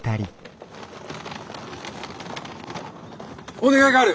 お願いがある。